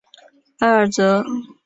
埃尔泽。